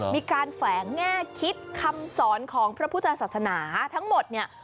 แฝงแง่คิดคำสอนของพระพุทธศาสนาทั้งหมดเนี่ย